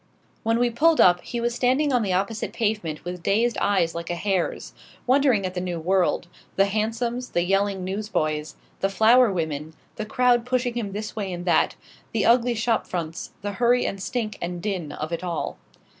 When we pulled up, he was standing on the opposite pavement with dazed eyes like a hare's, wondering at the new world the hansoms, the yelling news boys, the flower women, the crowd pushing him this way and that, the ugly shop fronts, the hurry and stink and din of it all.